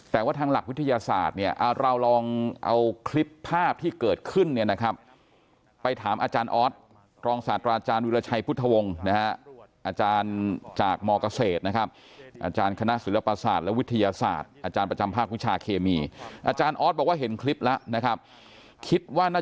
แต่ว่าทางหลักวิทยาศาสตร์เนี่ยเราลองเอาคลิปภาพที่เกิดขึ้นเนี่ยนะครับไปถามอาจารย์ออสรองศาสตราอาจารย์วิราชัยพุทธวงศ์นะฮะอาจารย์จากมเกษตรนะครับอาจารย์คณะศิลปศาสตร์และวิทยาศาสตร์อาจารย์ประจำภาควิชาเคมีอาจารย์ออสบอกว่าเห็นคลิปแล้วนะครับคิดว่าน